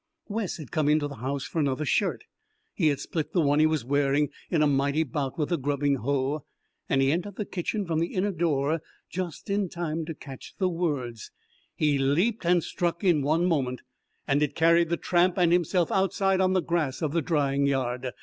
Wes had come into the house for another shirt he had split the one he was wearing in a mighty bout with the grubbing hoe and he entered the kitchen from the inner door just in time to catch the words. He leaped and struck in one movement, and it carried the tramp and himself outside on the grass of the drying yard.